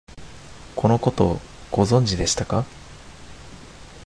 このこと、ご存知でしたか？